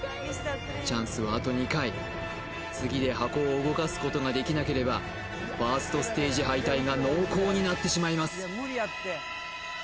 チャンスはあと２回次で箱を動かすことができなければファーストステージ敗退が濃厚になってしまいます